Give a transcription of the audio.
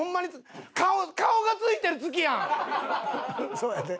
そうやで。